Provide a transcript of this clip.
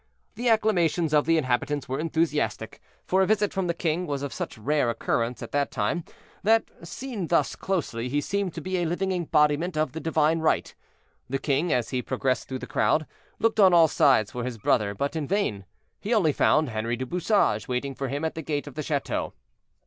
The acclamations of the inhabitants were enthusiastic; for a visit from the king was of such rare occurrence at that time that, seen thus closely, he seemed to be a living embodiment of divine right. The king, as he progressed through the crowd, looked on all sides for his brother, but in vain. He only found Henri du Bouchage waiting for him at the gate of the chateau.